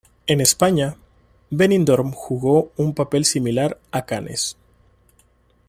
En España, Benidorm jugó un papel similar a Cannes.